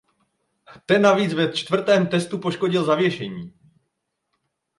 Ten navíc ve čtvrtém testu poškodil zavěšení.